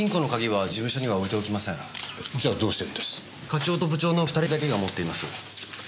課長と部長の２人だけが持っています。